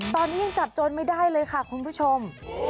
ตอนนี้ยังจับโจรไม่ได้เลยค่ะคุณผู้ชม